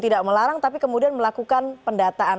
tidak melarang tapi kemudian melakukan pendataan